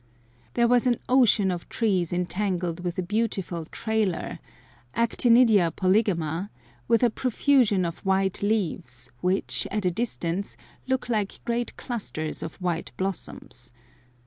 There was an ocean of trees entangled with a beautiful trailer (Actinidia polygama) with a profusion of white leaves, which, at a distance, look like great clusters of white blossoms.